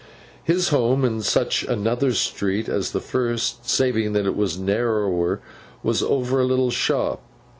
His home, in such another street as the first, saving that it was narrower, was over a little shop.